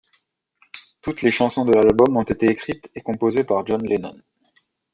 Toutes les chansons de l'album ont été écrites et composées par John Lennon.